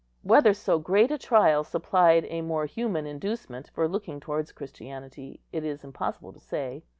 Whether so great a trial supplied a more human inducement for looking towards Christianity, it is impossible to say.